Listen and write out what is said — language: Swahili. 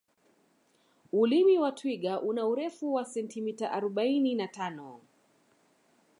ulimi wa twiga una urefu wa sentimeta arobaini na tano